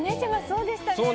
そうでしたね。